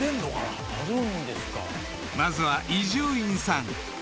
［まずは伊集院さん］